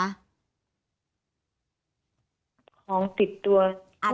ของติดตัว